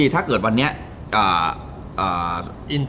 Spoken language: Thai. ถ้าเกิดวันนี้